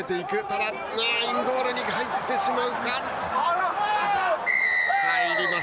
ただ、インゴールに入ってしまうか。